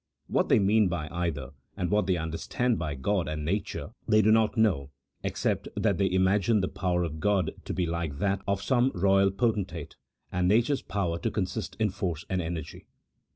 What they mean by either, and what they understand by God and nature they do not know, except that they imagine the power of God to be like that of some royal potentate, and nature's power to consist in force and energy.